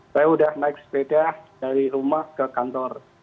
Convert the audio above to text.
saya sudah naik sepeda dari rumah ke kantor